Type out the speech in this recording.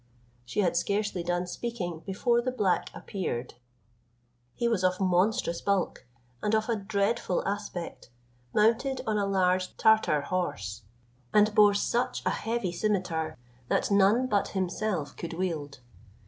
She had scarcely done speaking before the black appeared. He was of monstrous bulk, and of a dreadful aspect, mounted on a large Tartar horse, and bore such a heavy scimitar, that none but himself could wield.